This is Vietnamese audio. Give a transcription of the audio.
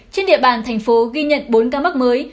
trên địa bàn tp ghi nhận bốn ca mắc mới